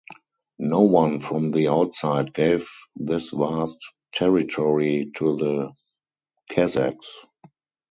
No one from the outside gave this vast territory to the Kazakhs.